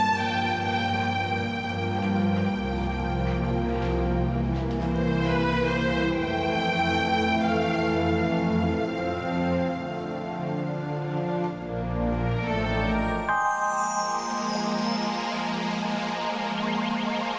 jadi produktivitas mengagar tuhan itu memiliki klage